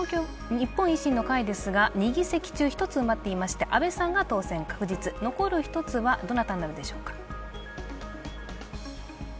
日本維新の会ですが２議席中、１つが埋まっていまして、阿部さんが当選確実残る一つはどなたになるでしょうか。